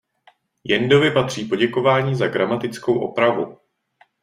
Jendovi patří poděkování za gramatickou opravu.